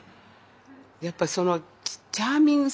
やっぱそのチャーミングさですね。